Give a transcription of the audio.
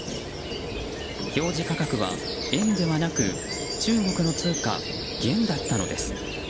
表示価格は円ではなく中国の通貨・元だったのです。